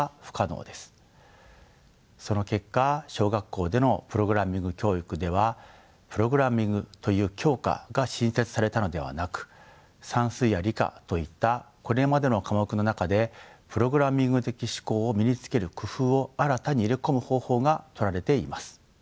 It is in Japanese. その結果小学校でのプログラミング教育ではプログラミングという教科が新設されたのではなく算数や理科といったこれまでの科目の中でプログラミング的思考を身につける工夫を新たに入れ込む方法がとられています。